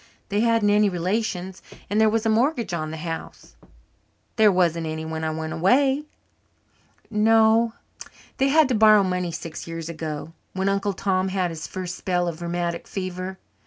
They hadn't any relations and there was a mortgage on the house." "There wasn't any when I went away." "No; they had to borrow money six years ago when Uncle Tom had his first spell of rheumatic fever.